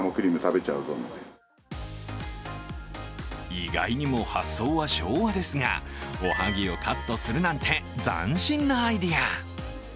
意外にも発想は昭和ですが、おはぎをカットするなんて斬新なアイデア。